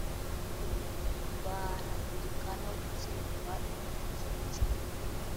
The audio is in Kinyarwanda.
kurwaragurika no kuzinukwa imibonano mpuzabitsina